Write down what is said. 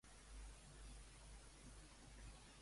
De quina manera s'anomena actualment Toanteion?